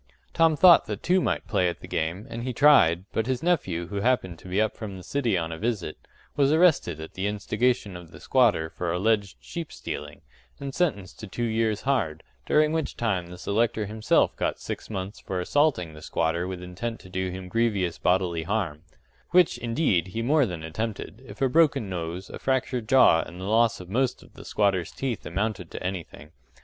Tom thought that two might play at the game, and he tried; but his nephew, who happened to be up from the city on a visit, was arrested at the instigation of the squatter for alleged sheep stealing, and sentenced to two years' hard; during which time the selector himself got six months for assaulting the squatter with intent to do him grievous bodily harm which, indeed, he more than attempted, if a broken nose, a fractured jaw, and the loss of most of the squatters' teeth amounted to anything.